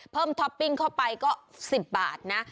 ท็อปปิ้งเข้าไปก็๑๐บาทนะ